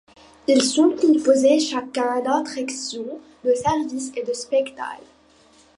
Ils sont composés chacun d'attractions, de services et de spectacles.